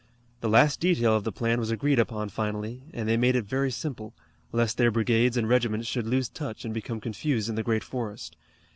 The last detail of the plan was agreed upon finally, and they made it very simple, lest their brigades and regiments should lose touch and become confused in the great forest.